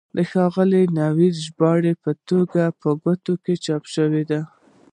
د ښاغلي نوید د ژباړو ټولګه په کوټه کې چاپ شوه.